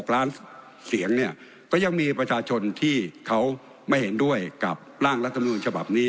ล้านเสียงเนี่ยก็ยังมีประชาชนที่เขาไม่เห็นด้วยกับร่างรัฐมนูญฉบับนี้